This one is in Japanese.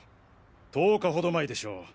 １０日ほど前でしょう